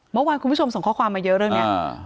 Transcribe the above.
เมื่อวานคุณผู้ชมส่งข้อความมาเยอะเรื่องนี้